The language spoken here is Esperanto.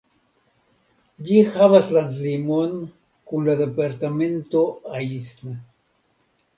Ĝi havas landlimon kun la departemento Aisne.